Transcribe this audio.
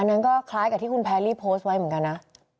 อันนั้นก็คล้ายกับที่คุณแพรรี่โพสต์ไว้เหมือนกันนะ